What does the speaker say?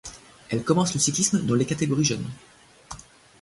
Elle commence le cyclisme dans les catégories jeunes.